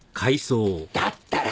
だったらさ。